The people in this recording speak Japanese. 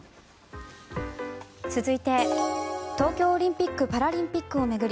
続いて東京オリンピック・パラリンピックを巡り